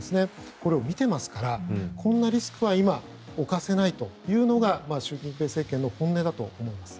これを見ていますからこんなリスクは今、冒せないというのが習近平政権の本音だと思います。